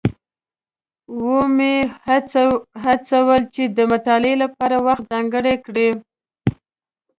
ومې هڅول چې د مطالعې لپاره وخت ځانګړی کړي.